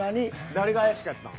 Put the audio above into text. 誰が怪しかったん？